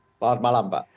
selamat malam pak